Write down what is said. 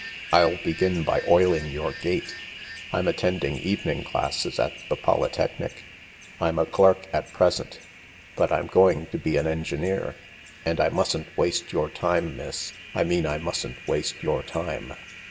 I'll begin by oiling your gate. I'm attending evening classes at the Polytechnic. I'm a clerk at present, but I'm going to be an engineer ; and I mustn't waste your time, miss. I mean I mustn't waste your time.